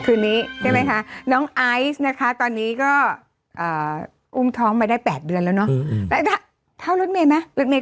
คืนนี้ใช่ไหมคะน้องไอซ์นะคะตอนนี้ก็อุ้มท้องมาได้๘เดือนแล้วเนาะเท่ารถเมย์ไหม